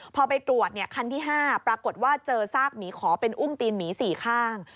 พอไปตรวจคันที่๕ปรากฏว่าเจอซากหมีขอเป็นอุ้งตีนหมี๔ข้าง